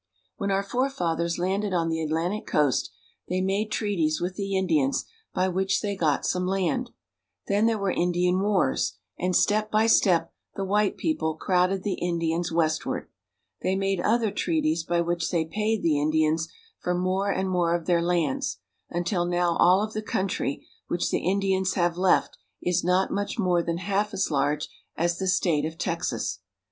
When our forefathers landed on the Atlantic coast, they made treaties with the Indians by which they got some land. Then there were Indian wars, and, step by step, the white people crowded the Indians westward. They made other treaties by which they paid the Indi ans for more and more of their lands, until now all of the country which the Indians have left is not much more than half as large as the state of Texas.